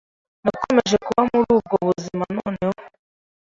Nakomeje kuba muri ubwo buzima noneho